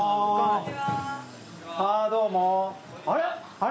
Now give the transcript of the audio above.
・あれ！？